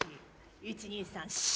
１２３４！